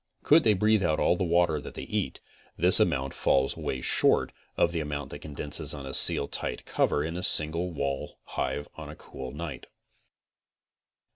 Could they breathe out all the water that they eat, this amount falls away short of the amount that condenses on a Seal Tight cover in a single wall hive on a cool night.